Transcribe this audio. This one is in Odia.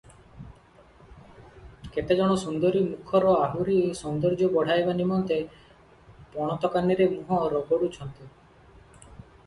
କେତେ ଜଣ ସୁନ୍ଦରୀ ମୁଖର ଆହୁରି ସୌନ୍ଦର୍ଯ୍ୟ ବଢ଼ାଇବା ନିମନ୍ତେ ପଣତକାନିରେ ମୁହଁ ରଗଡୁଛନ୍ତି ।